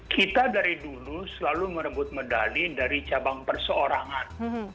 kita dari dulu selalu merebut medali dari cabang perseorangan